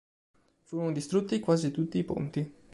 Furono distrutti quasi tutti i ponti.